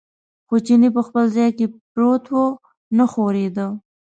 خو چیني په خپل ځای کې پروت و، نه ښورېده.